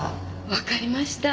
わかりました。